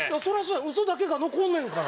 ウソだけが残んねんから。